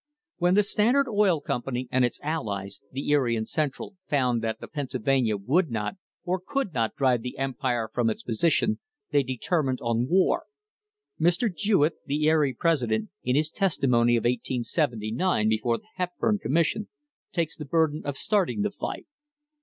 When the Standard Oil Company and its allies, the Erie and Central, found that the Pennsylvania would not or could not drive the Empire from its position, they determined on war. Mr. Jewett, the Erie president, in his testimony of 1879 before the Hepburn Commission, takes the burden of starting the fight.